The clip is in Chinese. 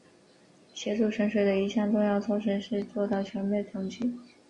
协助省水的一项重要措施是做到全面统计。